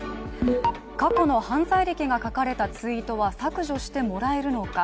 過去の犯罪歴が書かれたツイートは削除してもらえるのか。